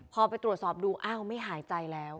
พอไปตรวจสอบดูอ้าวไม่หายใจแล้ว